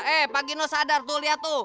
eh pak gino sadar tuh lihat tuh